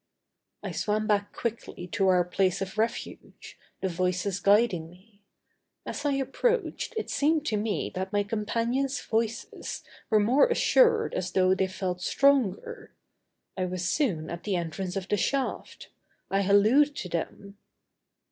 I swam back quickly to our place of refuge, the voices guiding me. As I approached, it seemed to me that my companions' voices were more assured as though they felt stronger. I was soon at the entrance of the shaft! I hallooed to them.